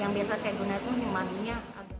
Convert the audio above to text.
yang biasa saya gunakan humaninya